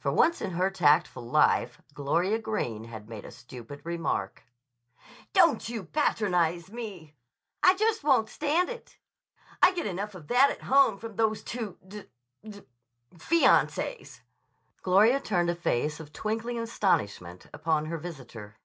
For once in her tactful life Gloria Greene had made a stupid remark. "Don't you patronize me!" flashed the girl. "I just won't stand it! I get enough of that at home from those two d— d fiancées." Gloria turned a face of twinkling astonishment upon her visitor.